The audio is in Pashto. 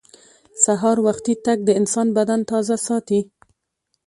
سهار وختي تګ د انسان بدن تازه ساتي